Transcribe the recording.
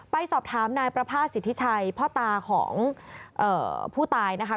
ไปสอบถามนายประภาษณสิทธิชัยพ่อตาของผู้ตายนะคะ